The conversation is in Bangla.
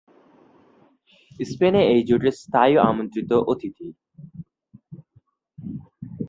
স্পেন এই জোটের স্থায়ী আমন্ত্রিত অতিথি।